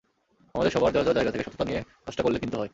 আমাদের সবার যার যার জায়গা থেকে সততা নিয়ে কাজটা করলে কিন্তু হয়।